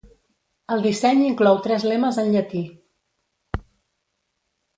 El disseny inclou tres lemes en llatí.